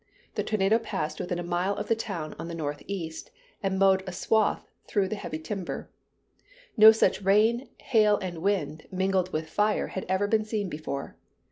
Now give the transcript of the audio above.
The tornado passed within a mile of the town on the northeast, and mowed a swath through the heavy timber. No such rain, hail and wind, mingled with fire, had ever been seen before.